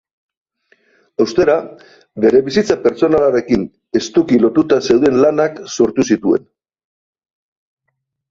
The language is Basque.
Ostera, bere bizitza pertsonalarekin estuki lotuta zeuden lanak sortu zituen.